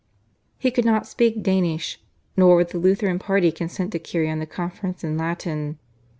He could not speak Danish, nor would the Lutheran party consent to carry on the conference in Latin.